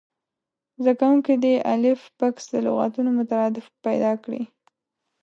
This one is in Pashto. زده کوونکي دې د الف بکس د لغتونو مترادف پیدا کړي.